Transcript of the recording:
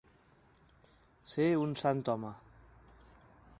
Ser un sant home.